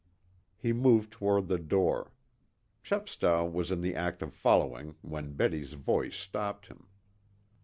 He moved toward the door. Chepstow was in the act of following when Betty's voice stopped him.